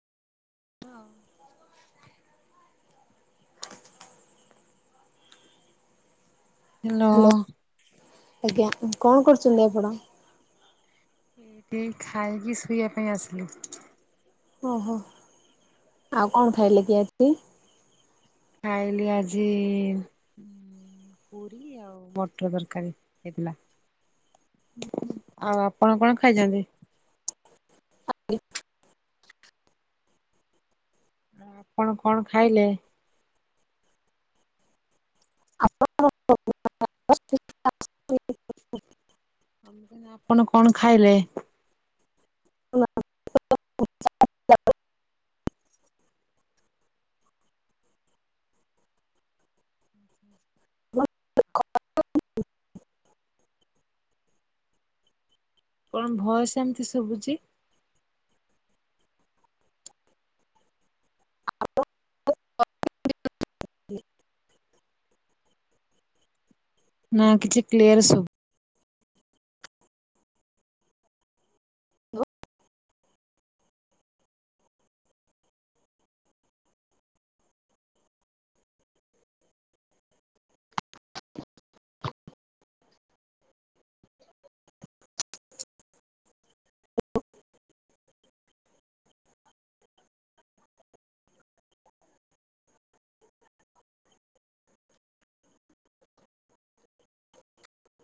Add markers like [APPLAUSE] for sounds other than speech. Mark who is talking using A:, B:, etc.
A: Hello. ଏ ନଅ
B: hello ଆଜ୍ଞା। କଣ କରୁଚନ୍ତି ଆପଣ?
A: ଏଇଠି ଖାଇକି ଶୋଇଆ ପାଇଁ ଆସିଲି।
B: ଓହୋ। ଆଉ କଣ ଖାଇଲେ କି ଆଜି?
A: ଖାଇଲି ଆଜି ପୁରି ଆଉ ମଟର ତରକାରୀ ହେଇଥିଲା। ଆଉ ଆପଣ କଣ ଖାଇଚନ୍ତି?
B: [UNINTELLIGIBLE]
A: ଆପଣ କଣ ଖାଇଲେ?
B: ଆପଣ [UNINTELLIGIBLE]
A: ମୁଁ କହିଲି ଆପଣ କଣ ଖାଇଲେ?
B: [UNINTELLIGIBLE]
A: କଣ ଭଏସ ଏମିତି ଶୁଭୁଚି? ନାଁ କିଛି କ୍ଲିୟର ଶୁଭୁ